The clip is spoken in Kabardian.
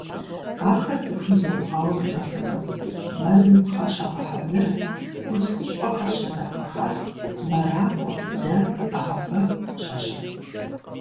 Ахэр цӀыхум зыубгъуауэ къегъэсэбэп: мэзым пхъэ щагъэхьэзыр, удз хущхъуэхэр щызэхуахьэс, мэракӀуэ, дэ, Ӏэгъэбэгу къыщащып.